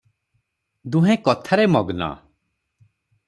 ଦୁହେଁ କଥାରେ ମଗ୍ନ ।